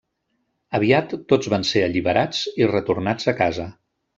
Aviat tots van ser alliberats i retornats a casa.